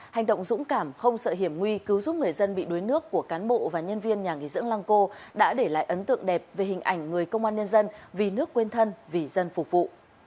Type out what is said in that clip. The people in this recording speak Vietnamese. hành động dũng cảm không sợ hiểm nguy cứu giúp người dân bị đuối nước của cán bộ và nhân viên nhà nghỉ dưỡng lăng cô đã để lại ấn tượng đẹp về hình ảnh người công an nhân dân vì nước quên thân vì dân phục vụ